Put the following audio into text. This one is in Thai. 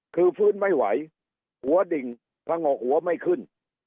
คือฟื้นไม่ไหวหัวดิ่งพังงกหัวไม่ขึ้น